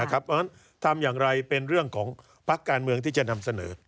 เพราะฉะนั้นทำอย่างไรเป็นเรื่องของพักการเมืองที่จะนำเสนอ